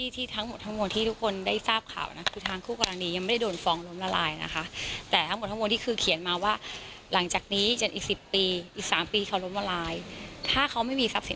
ที่ทั้งหมดทั้งหมดที่ทุกคนได้ทราบข่าว